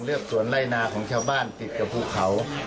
สวนไล่นาของชาวบ้านติดกับภูเขา